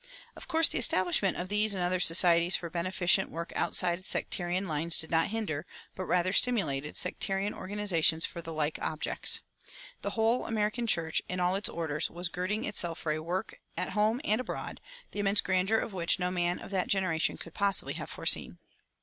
Of course the establishment of these and other societies for beneficent work outside of sectarian lines did not hinder, but rather stimulated, sectarian organizations for the like objects. The whole American church, in all its orders, was girding itself for a work, at home and abroad, the immense grandeur of which no man of that generation could possibly have foreseen.